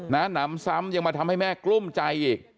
หนำซ้ำยังมาทำให้แม่กลุ้มใจอีก